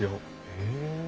へえ。